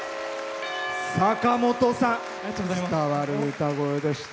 坂本さん、伝わる歌声でした。